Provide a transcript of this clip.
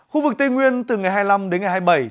khu vực tây nguyên từ ngày hai mươi năm đến ngày hai mươi bảy